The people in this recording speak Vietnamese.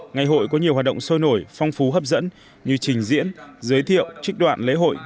ngày hội có nhiều hoạt động sôi nổi phong phú hấp dẫn như trình diễn giới thiệu trích đoạn lễ hội